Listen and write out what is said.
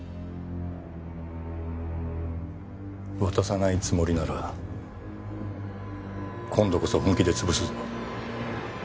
渡さないつもりなら今度こそ本気で潰す。